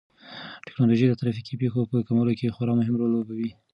ټیکنالوژي د ترافیکي پېښو په کمولو کې خورا مهم رول لوبوي.